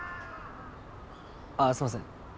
あっすいません